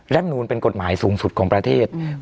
แร่มนูนเป็นกฎหมายสูงสุดของประเทศอืม